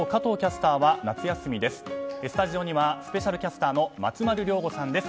スタジオにはスペシャルキャスターの松丸亮吾さんです。